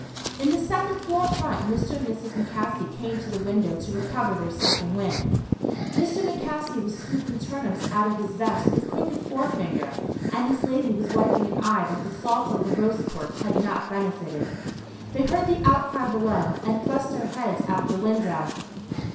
In the second floor front Mr. and Mrs. McCaskey came to the window to recover their second wind. Mr. McCaskey was scooping turnips out of his vest with a crooked forefinger, and his lady was wiping an eye that the salt of the roast pork had not benefited. They heard the outcry below, and thrust their heads out of the window.